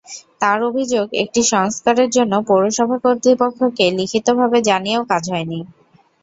তাঁর অভিযোগ, এটি সংস্কারের জন্য পৌরসভা কর্তৃপক্ষকে লিখিতভাবে জানিয়েও কাজ হয়নি।